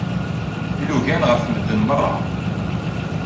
Ilugan ɣef medden merra.